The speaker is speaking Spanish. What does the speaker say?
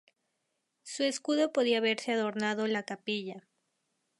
Su escudo podía verse adornando la capilla.